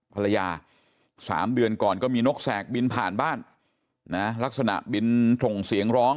ภรรยา๓เดือนก่อนก็มีนกแสกบินผ่านบ้านนะลักษณะบินส่งเสียงร้อง